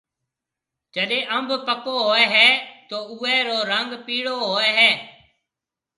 جيڏيَ انڀ پڪو هوئي هيَ تو اوئي رو رنگ پِيڙو هوئي هيَ۔